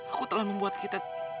aku telah membuat kita